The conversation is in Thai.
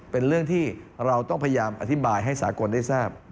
เป็นเรื่องที่เราต้องพยายามอธิบายให้สากลได้ทราบ